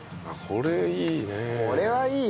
これはいいね！